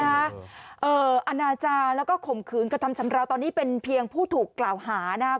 อาณาจารย์แล้วก็ข่มขืนกระทำชำราวตอนนี้เป็นเพียงผู้ถูกกล่าวหานะครับ